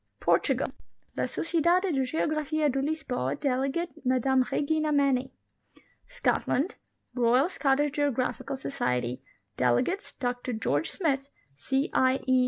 PORTUGAL. La Sociedade de Geographia de Lisboa ; delegate, Mme Regina Maney. SCOTLAND. Royal Scottish Geographical Society ; delegates, Dr George Smith, C. I. E.